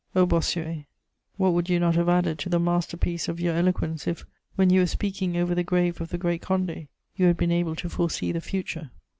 O Bossuet, what would you not have added to the masterpiece of your eloquence, if, when you were speaking over the grave of the Great Condé, you had been able to foresee the future!